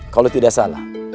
kalau tidak salah